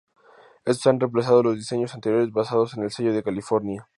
Estos han reemplazado los diseños anteriores basados en el Sello de California.